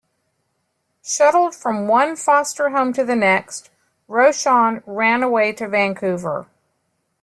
Shuttled from one foster home to the next, Rochon ran away to Vancouver.